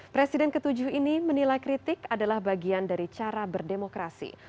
presiden ke tujuh ini menilai kritik adalah bagian dari cara berdemokrasi